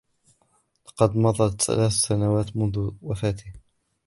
لقد مضت ثلاثة سنوات منذ وفاته.